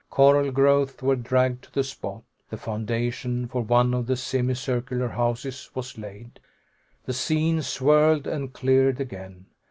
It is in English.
Coral growth were dragged to the spot. The foundation for one of the semi circular houses was laid. The scene swirled and cleared again.